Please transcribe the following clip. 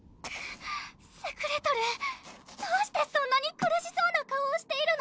セクレトルーどうしてそんなに苦しそうな顔をしているの？